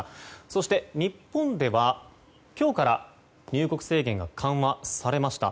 そして日本では今日から入国制限が緩和されました。